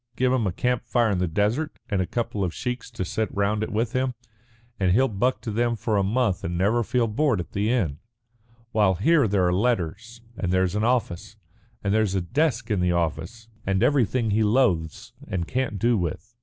Give him a camp fire in the desert, and a couple of sheiks to sit round it with him, and he'll buck to them for a month and never feel bored at the end. While here there are letters, and there's an office, and there's a desk in the office and everything he loathes and can't do with.